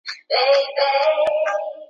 یا سېلابونه یا زلزلې دي ..